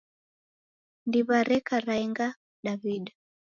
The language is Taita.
Ndiwa reko raenga Daw'ida.